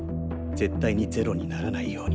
絶対に０にならないように。